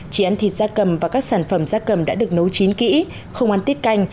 chỉ ăn thịt da cầm và các sản phẩm da cầm đã được nấu chín kỹ không ăn tiết canh